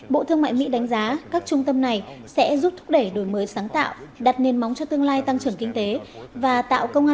bộ thương mại mỹ đánh giá các trung tâm này sẽ giúp thúc đẩy đổi mới sáng tạo